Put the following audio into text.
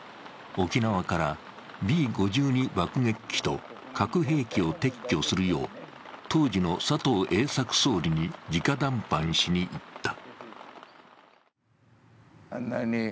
沖縄からＢ５２爆撃機と核兵器を撤去するよう、当時の佐藤栄作総理に直談判しに行った。